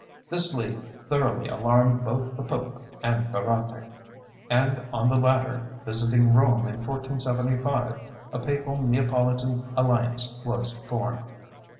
This league thoroughly alarmed both the Pope and Ferrante, and on the latter visiting Rome in 1475 a papal Neapolitan alliance was formed.